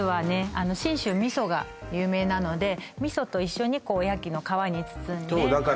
あの信州味噌が有名なので味噌と一緒にこうおやきの皮に包んでいますね